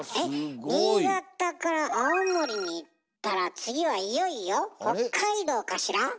新潟から青森に行ったら次はいよいよ北海道かしら？